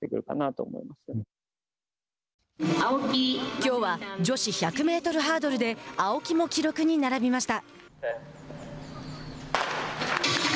きょうは女子１００メートルハードルで青木も記録に並びました。